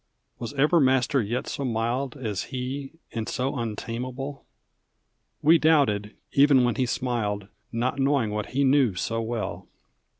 Was ever master yet so mild As he, and so untamable? We doubted, even when he smiled. Not knowing what he knew so well.